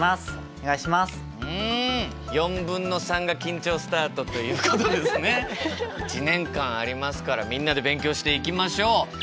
3/4が緊張スタートということでですね１年間ありますからみんなで勉強していきましょう。